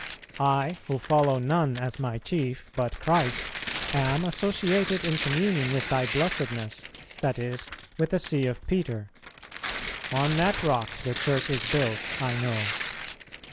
I, who follow none as my chief but Christ, am associated in communion with thy blessedness, that is, with the See of Peter. On that rock the Church is built, I know.